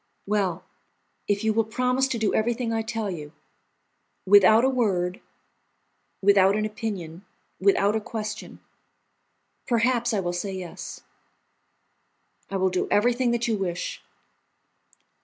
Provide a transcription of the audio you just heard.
"Well, if you will promise to do everything I tell you, without a word, without an opinion, without a question, perhaps I will say yes." "I will do everything that you wish!"